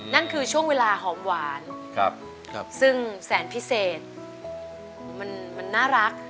นั่นคือช่วงเวลาหอมหวานซึ่งแสนพิเศษมันน่ารัก